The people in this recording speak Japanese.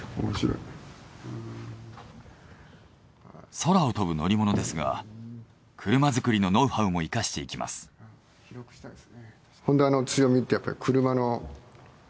空を飛ぶ乗り物ですが車作りのノウハウも生かしていきます。